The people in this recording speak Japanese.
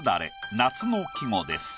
夏の季語です。